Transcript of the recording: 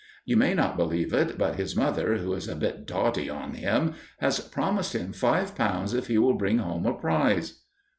You may not believe it, but his mother, who is a bit dotty on him, has promised him five pounds if he will bring home a prize."